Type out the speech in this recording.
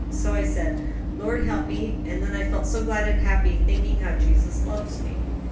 So I said, 'Lord, help me'; and then I felt so glad and happy, thinking how Jesus loves me."